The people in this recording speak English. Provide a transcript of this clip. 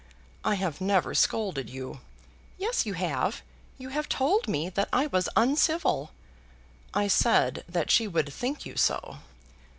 "I have never scolded you." "Yes, you have. You have told me that I was uncivil." "I said that she would think you so."